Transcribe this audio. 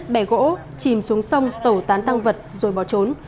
bẻ gỗ chìm xuống sông tẩu tán tăng vật rồi bỏ trốn